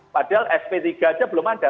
padahal sp tiga aja belum ada